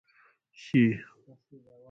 شې.